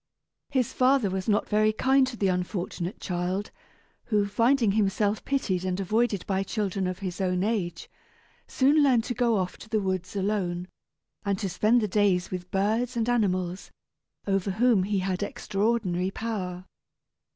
His father was not very kind to the unfortunate child, who, finding himself pitied and avoided by children of his own age, soon learned to go off to the woods alone, and to spend the days with birds and animals, over whom he had extraordinary power.